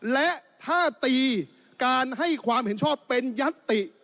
และถ้าตีการให้ความเห็นชอบเป็นยัตติ